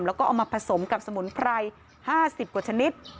แล้วก็เอามาผสมกับสมุนไพร๕๐กว่าชนิด